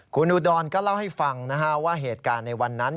คุณอุดรก็เล่าให้ฟังว่าเหตุการณ์ในวันนั้น